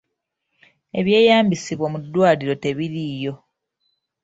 Ebyeyambisibwa mu ddwaliro tebiriiyo.